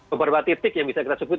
beberapa titik yang bisa kita sebut